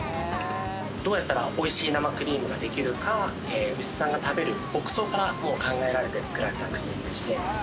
どうやったら美味しい生クリームができるか、牛さんが食べる牧草からもう考えられて作られてまして。